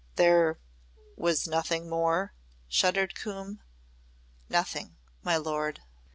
"There was nothing more?" shuddered Coombe. "Nothing, my lord."